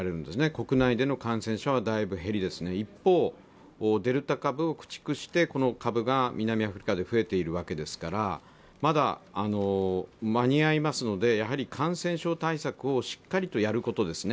国内での感染者はだいぶ減り一方、デルタ株を駆逐してこの株が南アフリカが増えているわけですから、まだ間に合いますので、やはり感染症対策をしっかりとやることですね。